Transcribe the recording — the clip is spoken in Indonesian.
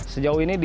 sejauh ini di